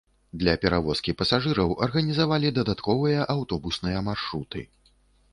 Для перавозкі пасажыраў арганізавалі дадатковыя аўтобусныя маршруты.